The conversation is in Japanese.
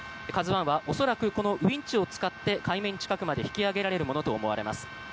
「ＫＡＺＵ１」は恐らくこのウィンチを使って海面近くまで引き揚げられるものと思います。